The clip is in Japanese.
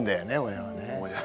親はね。